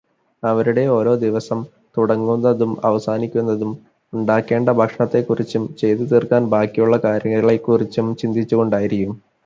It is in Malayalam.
അവരുടെ ഓരോ ദിവസം തുടങ്ങുന്നതും അവസാനിക്കുന്നതും ഉണ്ടാക്കേണ്ട ഭക്ഷണത്തെക്കുറിച്ചും ചെയ്തു തീർക്കാൻ ബാക്കിയുള്ള കാര്യങ്ങളെക്കുറിച്ചും ചിന്തിച്ചുകൊണ്ടായിരിക്കും.